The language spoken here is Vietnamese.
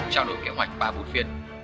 trao đổi kế hoạch ba bút viên